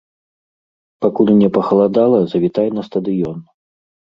Пакуль не пахаладала, завітай на стадыён!